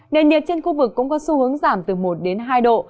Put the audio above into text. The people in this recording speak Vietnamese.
nền nhiệt trên khu vực cũng có xu hướng giảm từ một đến hai độ